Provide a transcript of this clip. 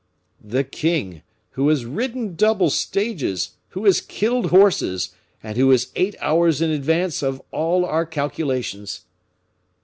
"The king, who has ridden double stages, who has killed horses, and who is eight hours in advance of all our calculations."